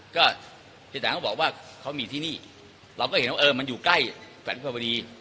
ก็เจ๊แตนเขาบอกว่าเขามีที่นี่เราก็เห็นว่าเออมันอยู่ใกล้ฝันพอดี